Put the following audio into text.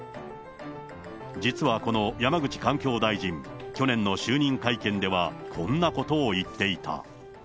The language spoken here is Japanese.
実はこの山口環境大臣、去年の就任会見では、こんなことを言っていた。